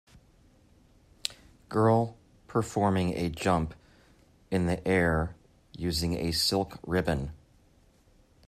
Girl performing a jump in the air using a silk ribbon.